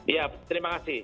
ya terima kasih